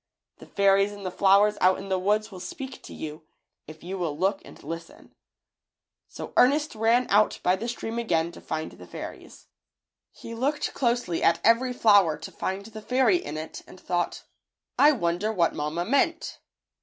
The fairies in the flowers out in the woods will speak to you, if you will look and listen.^^ So Ernest ran out by the stream again to find the fairies. He looked closely at every flower to And the fairy in it and thought, "I wonder what mamma meant."